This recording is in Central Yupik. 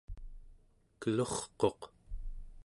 kelurquq